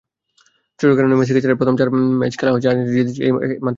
চোটের কারণে মেসিকে ছাড়াই প্রথম চার ম্যাচ খেলা আর্জেন্টিনা জিতেছিল মাত্র একটিতে।